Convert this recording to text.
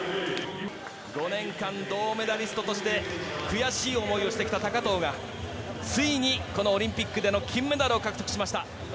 ４年間、銅メダリストとして悔しい思いをしてきた高藤がついにこのオリンピックでの金メダルを獲得しました。